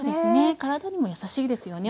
体にもやさしいですよね。